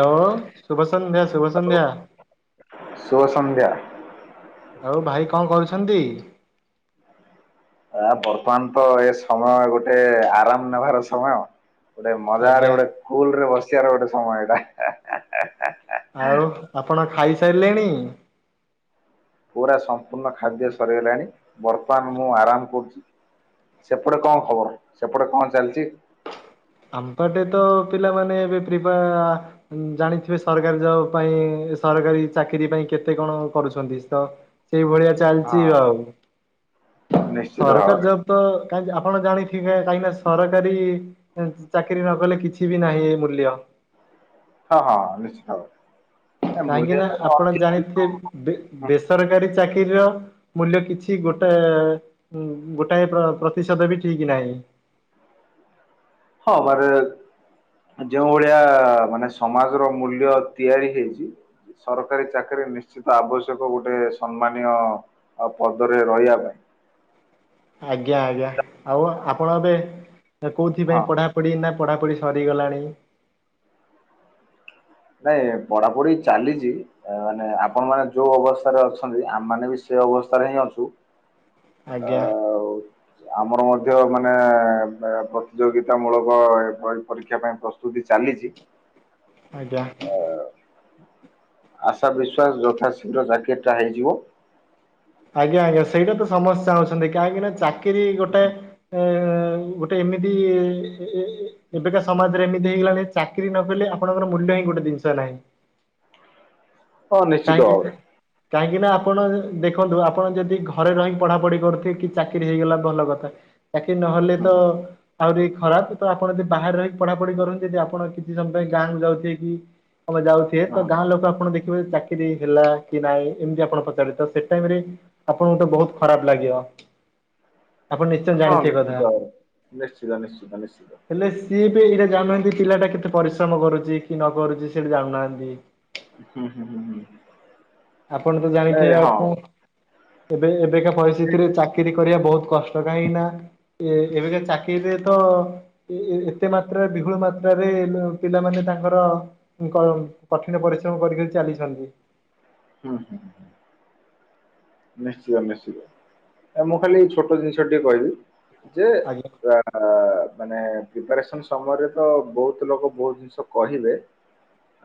ଲୋ, ଶୁଭ ସନ୍ଧ୍ୟା ଶୁଭ ସନ୍ଧ୍ୟା। ଶୁଭ ସନ୍ଧ୍ୟା। ଆଉ ଭାଇ କଣ କରୁଛନ୍ତି? ଆ ବର୍ତ୍ତମାନ ତ ଏ ସମୟ ଗୋଟେ ଆରାମ୍ ନେବାର ସମୟ। ଗୋଟେ ମଜାରେ ଆଜ୍ଞା। ଗୋଟେ କୁଲରେ ବସଆର ଗୋଟେ ସମୟ ଏଇଟା। ଆଉ ଆପଣ ଖାଇସାରିଲେଣି? ପୁରା ସମ୍ପୂର୍ଣ୍ଣ ଖାଦ୍ୟ ସରିଗଲାଣି। ବର୍ତ୍ତମାନ ମୁଁ ଆରାମ କରୁଛି। ସେପଟେ କଣ ଖବର, ସେପଟେ କଣ ଚାଲିଛି? ଆମପଟେ ତ ପିଲାମାନେ ଏବେ ପ୍ରିପା ଜାଣିଥିବେ ସରକାରୀ ଯବ୍ ପାଇଁ ସରକାରୀ ଚାକିରି ପାଇଁ କେତେ କଣ କରୁଛନ୍ତି? ତ ସେଇ ଭଳିଆ ଚାଲିଛି ହଁ ଆଉ। ନିଶ୍ଚିତ ଭାବରେ ସରକାର ଯବ୍ ତ କାଜ୍ ଆପଣ ଜାଣିଥିବେ କାହିଁକିନା ସରକାରୀ ଚାକିରି ନ କଲେ କିଛି ବି ନାହିଁ ଏ ମୂଲ୍ୟ। ହଁ ହଁ ନିଶ୍ଚିତ ଭାବରେ। ଏ କାହିଁକି ମୂଲ୍ୟ ନା ତ ଆପଣ ଅଛି। ଜାଣିଥିବେ ବେ ବେସ୍ ସରକାରୀ ଚାକିରୀର ମୂଲ୍ୟ କିଛି ଗୋଟେ ଏ ହଁ ଗୋଟାଏ ପ୍ର ପ୍ରତିଶଧ ବି ଠିକ ନାହିଁ। ହଁ ବାରେ ଯେଉଁ ଭଳିଆ ମାନେ ସମାଜର ମୂଲ୍ୟ ତିଆରି ହେଇଛି। ସରକାରୀ ଚାକିରି ନିଶ୍ଚିତ ଆବଶ୍ୟକ ଗୋଟେ ସମ୍ମାନୀୟ ଅ ପଦରେ ରହିବା ପାଇଁ। ଆଜ୍ଞା ଆଜ୍ଞା। ଆଉ ଆପଣ ଏବେ କୋଉଥି ହଁ। ପାଇଁ ପଢା ଢି ନା ପଢ଼ାପଢି ସରିଗଲାଣି? ନାଇଁ ପଢାପଢି ଚାଲିଛି। ମାନେ ଆପଣ ମାନେ ଯୋଉ ଅବସ୍ଥାରେ ଅଛନ୍ତି, ଆମ ମାନେ ବି ସେ ଅବସ୍ଥାରେ ହିଁ ଅଛୁ। ଆଜ୍ଞା। ଆଉ ଆମର ମଧ୍ୟ ମାନେ ଏ ପ୍ରତିଯୋଗିତା ମୂଳକ ପରୀକ୍ଷା ପାଇଁ ପ୍ରସ୍ତୁ ତୁତି ଚାଲିଛି। ଆଜ୍ଞା। ଆଶା ବିଶ୍ୱାସ୍ ଯଥାଶୀଘ୍ର ଚାକିରୀଟା ହେଇଯିବ। ଆଜ୍ଞା! ଆଜ୍ଞା! ସେଇଟା ତ ସମସ୍ତେ ଚାହୁଁଛନ୍ତି। କାହିଁକି ନା ଚାକିରି ଗୋଟେ ଏ ଗୋଟେ ଏମିତି ଏବେକା ସମାଜରେ ଏମିତି ହେଇଗଲାଣି ଚାକିରି କଲେ ଆପଣଙ୍କ ମୂଲ୍ୟ ହିଁ ଗୋଟେ ଜିନିଷ ନାହିଁ। ହଁ ନିଶ୍ଚିତ କାହିଁକି ଭାବରେ କାହିଁକି ନା ଆପଣ ଦେଖ୍ କୁହନ୍ତୁ ଆପଣ ଯଦି ଘରେ ରହିି ପଢାପଢି କରୁଥିବେ। କି ଚାକିରି ହେଇଗଲା ଭଲ କଥା ଚାକିରି ନହେଲେ ହୁଁ ତ ହୁଁ ଆହୁରି ଖରାପ ତ ଆପଣ ଯଦି ବାହାରେ ରହିି ପଢାପଢି କରନ୍ତି। ଯଦି ଆପଣ କିଛି ସମୟ ପାଇଁ ଗାଁକୁ ଯାଉଥିବେ କି ଆମେ ଯାଉଥିବେ ହଁ ତ ଗାଁ ଲୋକ ଆପଣ ଦେଖିବେ ଚାକିରି ହେଲା କି ନାଇଁ ଏମିତି ଆପଣ ପଚାରିବେ ତ ସେ ସେ ଟାଇମରେ ଆପଣଙ୍କୁ ତ ବହୁତ ଖରାପ ଲାଗିବ। ଆପଣ ନିଶ୍ଚୟ ହଁ ଜାଣିଥିବେ କଥା। ନିଶ୍ଚିତ- ନିଶ୍ଚିତ- ନିଶ୍ଚିତ- ନିଶ୍ଚିତ ହେଲେ ସିଏବି ଏଇଟା ଜାନୁନାହାନ୍ତି ପିଲାଟା କେତେ ପରିଶ୍ରମ କରୁଛି କି ନ କରୁଛି ସେଟା ଜାଣୁନାହାନ୍ତି। ହୁଁ- ହୁଁ -ହୁଁ -ହୁଁ ଆପଣତ ନାଇଁ ଜାଣିଥିବେ ହଁ ଆକୁ ତେବେ ଏବେକା ହୁଁ ପରିସ୍ଥିତିରେ ଚାକିରିୀ କରିବା ବହୁତ କଷ୍ ତେବେ ଏଇନା ଏବେକା ଚାକିରିରେ ତ ଏତେ ମାତ୍ରା ବିପୁଳ ମାତ୍ରାରେ ପିଲାମାନେ ତାଙ୍କର କ -କଠିନ ପରିଶ୍ରମ କରି- କରି ଚାଲିଛନ୍ତି। ହୁଁ -ହୁଁ- ହୁଁ ନିଶ୍ଚିତ! ନିଶ୍ଚିତ! ତ ମୁଁ ଖାଲି ଏଇ ଛୋଟ ଜିନିଷ ଟିଏ କହିବି ଯେ ଆଜ୍ଞା ଆ ମାନେ ପ୍ରିପେରେସନ ସମୟରେ ତ ବହୁତ ଲୋକ ବହୁତ ଜିନିଷ କହିଲେ।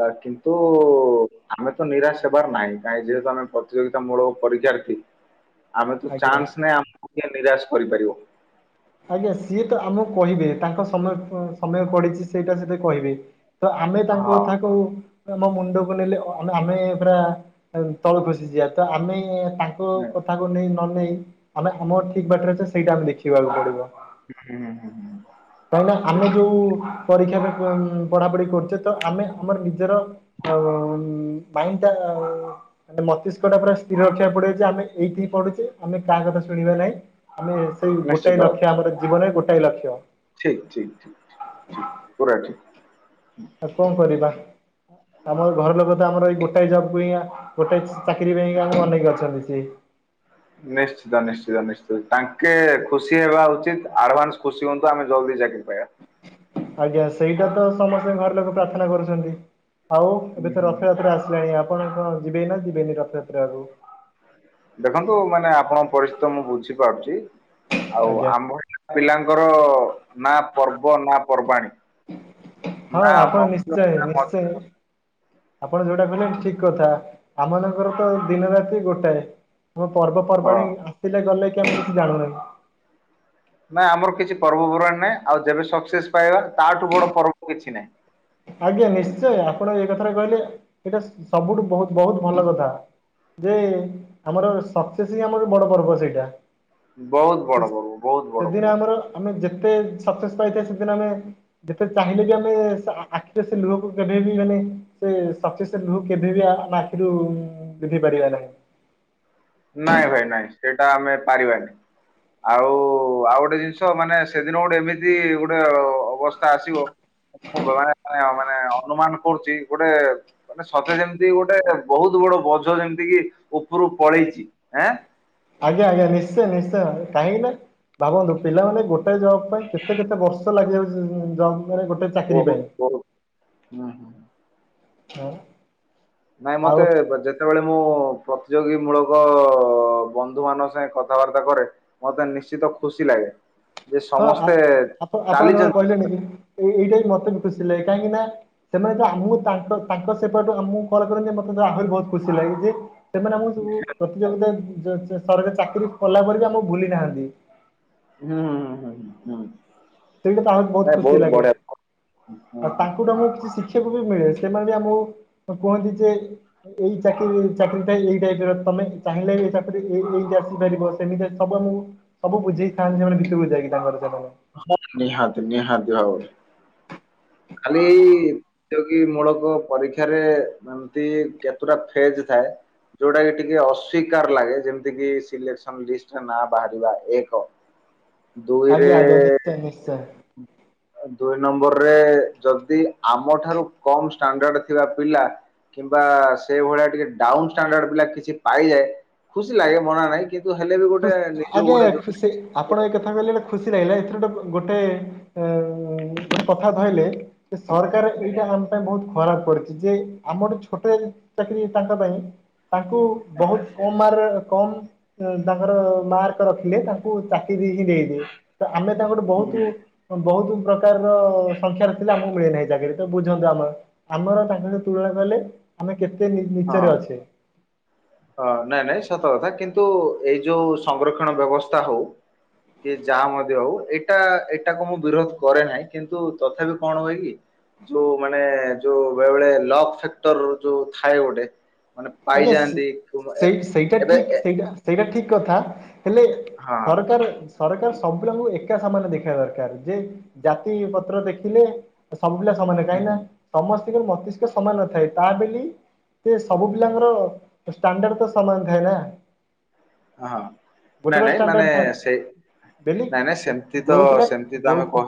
ଆ କିନ୍ତୁ ଆମେ ତ ନିରାଶ ହେବାର ନାଇ- ନାଇ ଯେହେତୁ ଆମେ ପ୍ରତିଯୋଗିତା ମୂଳ ପରୀକ୍ଷାର୍ଥୀ ଆମେତ ଆଜ୍ଞା ଚାନ୍ସ ନାହିଁ। ନାଁ ନିରାଶ କରିପାରିବ। ଆଜ୍ଞା! ସିଏତ ଆମକୁ କହିବେ। ତାଙ୍କ ସମୟ- ସମୟ ପଡିଛି। ସେଇଟା ସେତ କହିବେ ତ ଆମେ ତାଙ୍କ ହଁ କଥାକୁ ଆମ ମୁଣ୍ଡକୁ ନେଲେ ଆମେ ପୁରା ତଳକୁ ଖସିଯିବା। ତ ଆମେ ତାଙ୍କ ହୁଁ କଥାକୁ କୁ ନ ନେଇ ଆମେ ଆମର ଠିକ ବାଟରେ ଅଛେ। ସେଇଟା ଆମେ ଦେଖିବାକୁ ପଡିବ। ହୁଁ ହୁଁ ହୁଁ ହୁଁ [unintelligible] ମାନେ ଆମେ ଯୋଉ ପରୀକ୍ଷାରେ ପଢାପଢି କରୁଛେ ତ ଆମେ ଆମର ନିଜର କ ଉଁ ମାଇଣ୍ଡଟା ମସ୍ତିଷ୍କଟା ପୁରା ସ୍ଥିର ରଖିବାକୁ ପଡିବ ଯେ ଆମେ ଏଇଠି ପଡୁଛେ। ଆମେ କାହା କଥା ଶୁଣିବା ନାହିଁ। ଆମେ ସେଇ ନିଶ୍ଚିତ ଗୋଟାଏ ଲକ୍ଷ୍ୟ ଆମର ଜୀବନରେ ଗୋଟାଏ ଲକ୍ଷ୍ୟ ଠିକ-ଠିକ୍- ଠିକ୍- ଠିକ୍- ଠିକ୍- ପୁରା ଠିକ୍ ଆଉ କଣ କରିବା। ଆମ ଘର ଲୋକ ତ ଆମର ଏଇ ଗୋଟାଏ ଜବକୁ ହିଁ ଗୋଟାଏ ଚାକିରିରେ ହିଁ ଆମକୁ ଅନେଇ ଅଛନ୍ତି ସିଏ ନିଶ୍ଚିତ! ନିଶ୍ଚିତ! ନିଶ୍ଚିତ! ତାଙ୍କେ ଖୁସି ହେବା ଉଚିତ ଆଡଭାନ୍ସ ଖୁସି ହୁଅନ୍ତୁ। ଆମେ ଜଲ୍ଦି ଚାକିରି ପାଇବା। ଆଜ୍ଞା! ସେଇଟା ତ ସମସ୍ତେ ଘର ଲୋକ ପ୍ରାର୍ଥନା କରୁଛନ୍ତି। ଆଉ ଏବେ ହୁଁ ତ ହୁଁ ରଥଯାତ୍ରା ଆସିଲାଣି ଆପଣ କଣ ଯିବେ ନା ଯିବେନି ରଥଯାତ୍ରାକୁ ଦେଖନ୍ତୁ ମାନେ ଆପଣଙ୍କ ପରିସ୍ଥିିତ ମୁଁ ବୁଝିପାରୁଛି। ଆଉ ଆଜ୍ଞା। ଆମ୍ଭ ପିଲାଙ୍କର ନା ପର୍ବ ନା ପର୍ବାଣୀ ହଁ ନା ଆପଣ ମଉଜ ନିଶ୍ଚୟ ନା ମଜ- -ନିଶ୍ଚୟ ଆପଣ ଯୋଉଟା କହିଲେ ଠିକ କଥା ଆମମାନଙ୍କର ତ ଦିନ ରାତି ଗୋଟାଏ। ମୋ ହଁ ପର୍ବପର୍ବାଣୀ ଆସିଲେ ଗଲେକି ଆମେ କିଛି ଜାଣିନାହୁଁ। ନାଇଁ ଆମର କିଛି ପର୍ବ ପର୍ବାଣି ନାହିଁ। ଆଉ ଯେବେ ସକ୍ସେସ୍ ପାଇବା ତାଠୁ ବଡ ପର୍ବ କିଛି ନାହିଁ। ଆଜ୍ଞା! ନିଶ୍ଚୟ ଆପଣ ଏ କଥାଟା କହିଲେ ଏଇଟା ସବୁଠୁ ବହୁତ ବହୁତ ଭଲ କଥା। ଯେ ଆମର ସକ୍ସେସ ହିଁ ଆମର ବଡ ପର୍ବ ସେଇଟା ବହୁତ ବଡପର୍ବ ବହୁତ ସେଦିନ ବଡପର୍ବ। ଆମର ଆମେ ଯେତେ ସକ୍ସେସ ପାଇବେ ସେଦିନ ଆମେ ଯେତେ ଚାହିଁଲେବି ଆମେ [unintelligible] ଆଖିରେ ସେ ଲୁହକୁ କେଭେବି ମାନେ ସେ ସସ୍କେସ ସେ ଲୁହକୁ କେଭେବି ଆମ ଆଖିରୁ ସୁଝି ପାରିବା ନାହିଁ। ନାଇଁ ଭାଇ ନାଇଁ ସେଇଟା ଆମେ ପାରିବାନି। ଆଉ ଆଉଗୋଟେ ଜିନିଷ ମାନେ ସେଦିନ ଗୋଟେ ଏମିତି ଗୋଟେ ଅବସ କା ଆସିବ ମୁଁ [unintelligible] ମାନେ ଅନୁମାନ କରୁଚି। ଗୋଟେ ମାନେ ସତେଯେମିତି ଗୋଟେ ବହୁତ ବଡବୋଝ ଯେମିତିକି ଉପରୁ ପଳେଇଛି। ଜି ଆଁ। ଆଜ୍ଞା ଆଜ୍ଞା ନିଶ୍ଚିୟ ନିଶ୍ଚିୟ କାହିଁକିନା ଭାବନ୍ତୁ ପିଲାମାନେ ଗୋଟେ ଗୋଟେ ଜବପାଇଁ କେତେ କେତେ ବର୍ଷ ଲାଗିଯାଉଛି ଜବରେ ଗୋଟେ? ଚାକିରି ପାଇଁ। ବହୁତ ବହୁତ ହୁଁ ହୁଁ ଆଉ। ନାଇଁ ମତେ ବଟ ଯେତେ ଯେତେବେଳେ ମୁଁ ପ୍ରତିଯୋଗୀ ମୂଳକ ବନ୍ଧୁ ମାନଙ୍କ ସାଙ୍ଗେ କଥାବାର୍ତ୍ତା କରେ। ମତେ ନିଶ୍ଚିତ ଖୁସିଲାଗେ। ହଁ ଆପ ଆପଣ ଆପଣ ଯୋଉରା ଚାଲିଛନ୍ତି କହିଲେନିକି ଏଇ ଏଇଟାବି ମତେ ଖୁସିଲାଗେ କାହିଁକିନା ସେମାନେତ ଆମକୁ ତାଙ୍କ ତାଙ୍କ ସେପଟ ଆମକୁ କଲକରନ୍ତି ମତେ ଆହୁରି ବହୁତ ଖୁସି ଲାଗିଛି। ସେମାନେ ଆମକୁ ସବୁ ପ୍ରତିଯୋଗିତା [unintelligible] ସରକାର ଚାକିରି କଲା ପରେରେବି ଆମକୁ ଭୁଲି ନାହାନ୍ତି। ହୁଁ ଉୁଁ ହୁଁ ହୁଁ। ସେଇଟାତ ଆହୁରି ବହୁତ ନାଇଁ ଖୁସିଲାଗେ ବଢିଆ ହୁଁ ଆଉ ହୁଁ ତାଙ୍କୁ ହୁଁ ଟାକୁ କିଛି ଶିଖି ଶିଖିବାକୁବି ମିଳେ ସେମାନେ ଆମକୁ କୁହନ୍ତିଯେ ଏଇ ଚାକିରି ଚାକିରିଟା ଏଇ ଟାଇପର ତମେ ଚାହିଁଲେ ଏଇ ଚାକିରି ଏଇ ଏଇ ଆସିପାରିବ। ସେମିତି ସବୁ ଆମକୁ ସବୁ ବୁଝେଇଥାନ୍ତି ସେମାନେ ଭିତରକୁ ଯାଇକି ତାଙ୍କର ସେମାନେ। ହଁ ନିହାତି ନିହାତି ଭାବରେ ଖାଲିଏଇ। ପ୍ରତିଯୋଗୀ ମୂଳକ ପରୀକ୍ଷାରେ ଏମିତି କେତେଟା ଫେଜଥାଏ? ଯୋଉଟାକି ଟିକିଏ ଅସ୍ୱୀକାର ଲାଗେ ଯେମିତିକି ସିଲେକ୍ସନ ଲିଷ୍ଟରେ ନାଁ ବାହାରିବା ଏକ [inaudible] ଦୁଇରେ। ଆଜ୍ଞା ନିଶ୍ଚୟ ନିଶ୍ଚୟ। ଦୁଇ ନମ୍ବରରେ ଯଦି ଆମଠାରୁ କମ ଷ୍ଟାଣ୍ଡାର୍ଡଥିବା ପିଲା କିମ୍ବା ସେଇ ଭଳିଆ ଟିକିଏ ଡାଉନ୍ ଷ୍ଟାଣ୍ଡାର୍ଡ ପିଲା କିଛି ପାଇଯାଏ ଖୁସିଲାଗେ ମନାନାହିଁ। କିନ୍ତୁ ହେଲେବି ଖୁ ଗୋଟେ ନିଜକୁ ଆଜ୍ଞା ଗୋଟେ ଆଜ୍ଞା, ଦୁ ଖୁସି ଆପଣ ଏଇକଥା କହିଲେ ଗୋଟେ ଖୁସି ଲାଗିଲା ଏଥିରୁ ଗୋଟେ ଏଁ ଉୁଁ ଉୁଁ ଗୋଟେ କଥା ଧଇଲେ। ଏ ସରକାର ଆଜ୍ଞା ଆଜ୍ଞା ଏଇଟା ଆମପାଇଁ ବହୁତ ଖରାପ କରି ଯେ ଆମଠୁ ଛୋଟ ଚାକିରି ତାଙ୍କପାଇଁ। ତାଙ୍କୁ ହଁ ବହୁତ କମ ମାରର କମ ତାଙ୍କର ମାର୍କରଖିଲେ ତାଙ୍କୁ ଚାକିରିହିଁ ଦେଇଦିଏ ତ ଆମେ ତାଙ୍କଠୁ ହୁଁ ହୁଁ। ବହୁତ ବହୁତ ପ୍ରକାରର ସଂଖ୍ୟାର ଥିଲେ ଆମକୁ ମିଳେନାହିଁ ଚାକିରିତ ବୁଝନ୍ତୁ ଆମର। ଆମର ତାଙ୍କଠୁ ତୁଳନା କଲେ ଆମେ କେତେ ହଁ ନିଚରେ ହଁ ଅଛେ? ହଁ ନାଇଁ ନାଇଁ ସତକଥା କିନ୍ତୁ ଏଇଯୋଉ ସଂଗ୍ରକ୍ଷଣ ବ୍ୟବସ୍ଥା ହଉ। କିଏ ଯାହା ମଧ୍ୟ ହଉ ଏଇଟା ଏଇଟାକୁ ମୁଁ ବିରୋଧ କରେନାହିଁ କିନ୍ତୁ ତଥାପି କଣ ହୁଏକି? ଯୋଉ ମାନେ ଯୋଉ ବେଳେବେଳେ ଲକଫେକ୍ଟର ଯୋଉ ଥାଏ ଗୋଟେ ମାନେ ଆଜ୍ଞା ସି- ପାଇଯାଆନ୍ତି। ସେଇ ସେଇଟା ଏବେ ଠିକ ଏ ସେଇଟା ସେଇଟା ଠିକକଥା ହେଲେ ହଁ ସରକାର। ସରକାର ସବୁ ପିଲାଙ୍କୁ ଏକା ସମାନ ଦେଖିବା ଦରକାର ଯେ ଜାତି ପତ୍ର ଦେଖିଲେ ସବୁ ପିଲା ସମାନ ହୁଁ କାହିଁକି ନା ହୁଁ ସମସ୍ତିଙ୍କ ମସ୍ତିଷ୍କ ସମାନ ନଥାଏ ତା ବେଲି ସେ ସବୁ ସବୁ ପିଲାଙ୍କ ଷ୍ଟାଣ୍ଡାର୍ଡ ତ ସମାନ ଥାଏ ନା? ହଁ ଗୋଟେ ନାଇଁ ବା ନାଇଁ ଷ୍ଟାଣ୍ଡାର୍ଡ ମାନେ ଥାଏ ସେ ବେଲି ନାଇଁ ନାଇଁ ସେମିତି ତ ଯୋଉ ପିଲା ସେମିତି ତ ଯୋଉ ଆମେ କ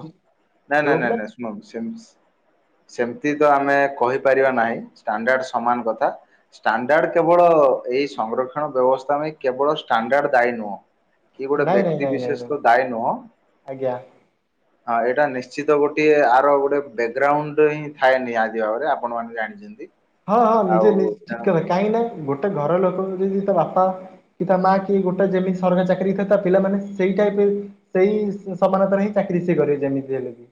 ନାଇଁ ଯୋଉ ନାଇଁ ପିଲା ନାଇଁ ଶୁଣନ୍ତୁ ସେମି ସେମିତି ତ ଆମେ କହିପାରିବା ନାହିଁ ଷ୍ଟାଣ୍ଡାର୍ଡ ସମାନ କଥା ଷ୍ଟାଣ୍ଡାର୍ଡ କେବଳ ଏଇ ସଂଗ୍ରକ୍ଷଣ ବ୍ୟବସ୍ଥା ପାଇଁ କେବଳ ଷ୍ଟାଣ୍ଡାର୍ଡ ଦାୟୀ ନୁହଁ। କି ଗୋଟେ ନାଇଁ ନାଇଁ ବ୍ୟକ୍ତି ନାଇଁ ନାଇଁ ବିିଶେଷ ନାଇଁ ତ ଦାୟୀ ନୁହଁ। [unintelligible] ହଁ ଏଇଟା ନିଶ୍ଚିତ ଗୋଟଏ ଆର ଗୋଟେ ବ୍ୟାକଗ୍ରାଉଣ୍ଡୁ ହିଁ ଥାଏ ନିହାତି ଭାବରେ ଆପଣ ମାନ ଜାଣିଚନ୍ତି। ହଁ ହଁ ନିଜେ ନି ଠିକ୍ କଲେ କାହିଁକି ନା ଗୋଟେ ଘର ଲୋକଙ୍କୁ ଯଦି ତା ବାପା କି ତା ମା କି ଗୋଟେ ଯେମିତି ସରକାରୀ ଚାକିରୀ ହେଇଥାଏ ପିଲାମାନେ ସେଇ ଟାଇପ୍ ସେଇ ସମାନତାରେ ହିଁ ଚାକିରି ସିଏ କରିବେ ଯେମିତି ହେଲେ ବି।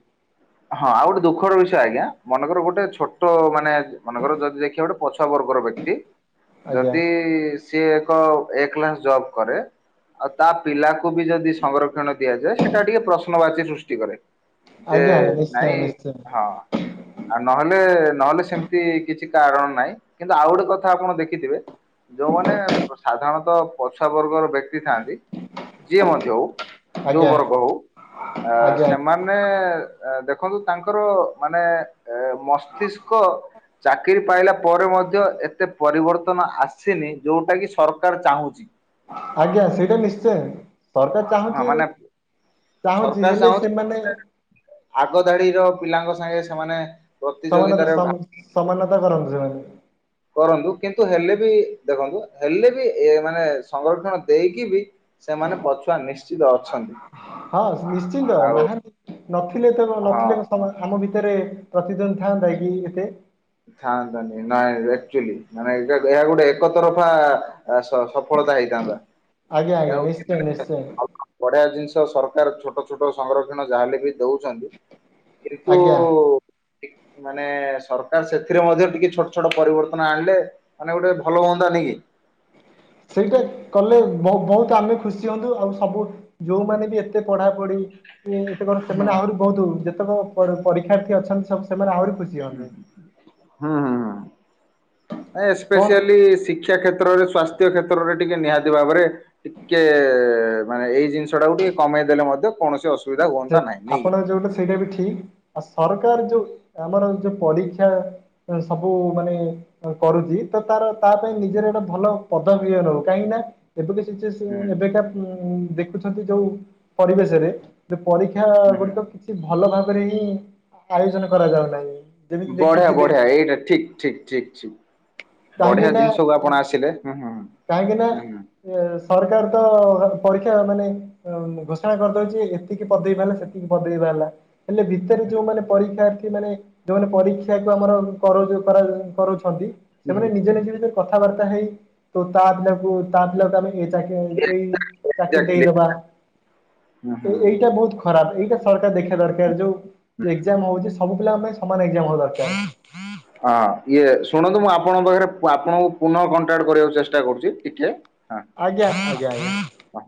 ହଁ ଆଉ ଗୋଟେ ଦୁଃଖର ବିଷୟ ଆଜ୍ଞା ମନେକର ଗୋଟେ ଛୋଟ ମାନେ ମନେଙ୍କର ଯଦି ଦେଖିବା ଗୋଟେ ପଛୁଆ ବର୍ଗର ବ୍ୟକ୍ତି ଆଜ୍ଞା ଯଦି ସିଏ ଏକ ଏକ୍ଲାସ ଜବ୍ କରେ ଆଉ ତା ପିଲାକୁ ବି ଯଦି ସଂଗ୍ରକ୍ଷଣ ଦିଆଯାଏ ସେଇଟା ଟିକେ ପ୍ରଶ୍ନବାଚୀ ସୃଷ୍ଟି କରେ। ଆଜ୍ଞା ନି ଭାଇ [unintelligible] ଆଉ ନହେଲେ ନହେଲେ ସେମିତି କିଛି କାରଣ ନାହିଁ କିନ୍ତୁ ଆଉ ଗୋଟେ କଥା ଆପଣ ଦେଖିଥିବେ ଯୋଉମାନେ ସାଧାରଣତଃ ପଛୁଆ ବର୍ଗର ବ୍ୟ କ୍ତି ଥାଆନ୍ତି ଯିଏ ମଧ୍ୟ ହଉ ଯୋଉ ଆଜ୍ଞା ବର୍ଗ ହଉ ଆଜ୍ଞା ସେମା ଆଜ୍ଞା। ମାନେ ଦେଖନ୍ତୁ ତାଙ୍କର ମାନେ ଏ ମସ୍ତିଷ୍କ ଚାକିରୀ ପାଇଲା ପରେ ମଧ୍ୟ ଏତେ ପରିବର୍ତ୍ତନ ଆସିନି ଯଉଟା କିି ସରକାର ଚାହୁଁଚି। ଆଜ୍ଞା ସେଇଟା ନିଶ୍ଚୟ ସରକାର ହଁ ମାନେ ଚାହୁଁଚି ଚାହୁଁଚି ସରକାର ହେଲେ ଚାହୁଁଛି ସେମାନେ ଆଗ ଧାଡି ର ପିଲାଙ୍କ ସାଙ୍ଗେ ସେମାନେ ସମାନତା ପ୍ରତିଯୋଗିତାରେ ଭାଗ ସମ ସମାନତା ଦରଞ୍ଜୟ। କରନ୍ତୁ କିନ୍ତୁ ହେଲେ ବି ଦେଖନ୍ତୁ ହେଲେ ବି ଏ ମାନେ ସଂରକ୍ଷଣ ଦେଇକି ବି ସେମାନେ ପଛୁଆ ନିଶ୍ଚିତ ଅଛ ହଁ ନିଶ୍ଚିନ୍ତ ନାହାଁ ନଥିଲେ ତ ହଁ। ନଥିଲେ ତ ସମା ଆମ ଭିତରେ ପ୍ରତିଦ୍ୱନ୍ଦୀ ଥାଆନ୍ତା କି ଏତେ? ଥାଆଁନ୍ତାନି ନାଇଁ ରେଚୁଆଲି ମାନେ ଏଇଟା କହିବାର ଗୋଟେ ଏକ ତରଫା ଆ ସ ସଫଳତା ହେଇଥାନ୍ତା। ଆଜ୍ଞା ଆଜ୍ଞା ନିଶ୍ଚୟ ତେଣୁ ନିଶ୍ଚୟ। ବଢିଆ ଜିନିଷ ସରକାର ଛୋଟ ଛୋଟ ସୌରକ୍ଷଣ ଯାହା ହେଲେ ବି ଦଉଛନ୍ତି କିନ୍ତୁ ଆଜ୍ଞା ମାନେ ସର କାର ସେଥିରେ ମଧ୍ୟ ଟିକେ ଛୋଟ ଛୋଟ ପରିବର୍ତ୍ତନ ଆଣିଲେ ମାନେ ଗୋଟେ ଭଲ ହୁଅନ୍ତାନି କି? ସେଇଟା କଲେ ବ ବହୁତ ଆମେ ଖୁସି ହୁଅନ୍ତୁ ଆଉ ସବୁ ଯୋଉମାନେ ବି ଏତେ ପଢାପଢିକି କ ହୁଁ ସେମାନେ ଆହୁରି ବହୁତ ଯେତେକ ପ ପରୀକ୍ଷାର୍ଥୀ ଅଛନ୍ତି ସବୁ ସେମାନେ ଆହୁରି ଖୁସି ହୁଁ ହୁଅନ୍ତେ ହୁଁ ହୁଁ ହୁଁ ଏ କଣ ସ୍ପେସିଆଲି ସି ଶିକ୍ଷା କ୍ଷେତ୍ରରେ ସ୍ୱାସ୍ଥ୍ୟ କ୍ଷେତ୍ରରେ ଟିକେ ନିହାତି ଭାବରେ ଟିକେ ମାନେ ଏଇ ଜିନି ସଟାକୁ ଟିକେ କମେଇଦେଲେ ମଧ୍ୟ କୌଣସି ଅସୁ ଆପଣ ଯୋଉଟା ସେଇଟା ବି ଠିକ୍, ଆଉ ସରକାର ଯୋଉ ଆମର ଏ ଯୋଉ ପରୀକ୍ଷା ଏ ସବୁ ମାନେ କରୁଛି ତ ତାର ତା ପାଇଁ ନିଜର ଗୋଟେ ଭଲ ପଦବି ଇଏ ରହୁ କାହିଁକି ନା ଏବେକା ହୁଁ ସିଚ୍ୟେସନ୍ ଏବେକା ଉଁ ଦେଖୁଛନ୍ତି ଯୋଉ ପରିବେଶରେ ଯେ ପରୀକ୍ଷା ହୁଁ ହୁଁ। ଗୁଡିକ କିଛି ଭଲ ଭାବରେ ହିଁ ଆୟୋଜନ କରାଯାଉନାହିଁ। ଯେମିତି ବଢ଼ିଆ ଦେଖିଥିବେ ବଢ଼ିଆ ଏଇଟା ଠିକ୍ ଠିକ୍ ଠିକ୍। ବଢିଆ କାହିଁକି ଜିନିଷକୁ ନା ଆପଣ ଆସିଲେ କାହିଁକି ନା [unintelligible] ଏ ସରକାର ତ ପରୀକ୍ଷା ମାନେ ଅ ଘୋଷଣା କରିଦଉଛି ସେତିକି ପଦବୀ ମାନେ ସେତିକି ପଦବୀ ବାହାରିଲା, ହେଲେ ଭିତରେ ଯୋଉ ମାନେ ପରୀକ୍ଷାର୍ଥୀ ମାନେ ଯୋଉମାନେ ପରୀକ୍ଷାକୁ ଆମର କରଉଚୁ କରାଯାଏ କରଉଛନ୍ତି ହୁଁ ସେମାନେ ନିଜେ ନିଜେ ଭିତରେ କଥାବାର୍ତ୍ତା ହେଇ ତୋ ତା ପିଲାକୁ ତା ପିଲାକୁ ତ ଆମେ ଏଇ ଚାକି, ଏଇ ଚାକିରି ଦେଇଦବା। ହଁ, ଏ ହଁ। ଏଇଟା ବହୁତ ଖରାପ ଏଇଟା ସରକାର ଦେଖିବା ଦରକାର ଯୋଉ ଏକ୍ଜାମ୍ ହଉଛି ସବୁ ପିଲା ଆମେ ସମାନ ଏକ୍ଜାମ୍ ହବା ଦରକାର। ହଁ ଇଏ ଶୁଣନ୍ତୁ ମୁଁ ଆପଣଙ୍କ ପାଖରେ ଆପଣଙ୍କୁ ପୁନଃ କଣ୍ଟାକ୍ଟ କରିବାକୁ ଚେଷ୍ଟା କରୁଛି ଟିକେ। ହଁ ଆଜ୍ଞା, ଆଜ୍ଞା, ହଁ ଆଜ୍ଞା। ହଁ।